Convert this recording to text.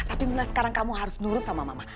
tapi mila sekarang kamu harus nurut sama mama